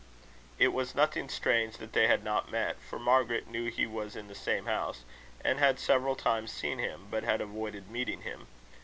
It was nothing strange that they had not met, for Margaret knew he was in the same house, and had several times seen him, but had avoided meeting him.